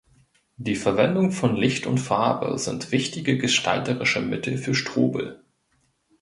Die Verwendung von Licht und Farbe sind wichtige gestalterische Mittel für Strobl.